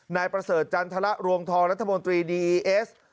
นายประเสริฐจันทรรวงทองรัฐมนตรีดีอีเอส